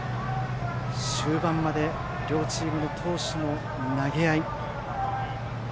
終盤まで両チームの投手の投げ合い。